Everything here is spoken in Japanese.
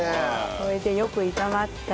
これでよく炒まったら。